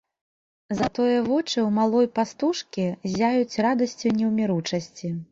Затое вочы ў малой пастушкі ззяюць радасцю неўміручасці.